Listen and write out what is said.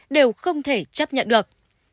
đều không thể chấp nhận được